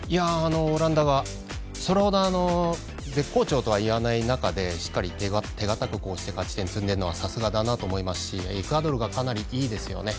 オランダがそれほど絶好調とはいえない中でしっかり手堅く勝ち点を積んでるのはさすがだなと思いますしエクアドルがかなりいいですよね。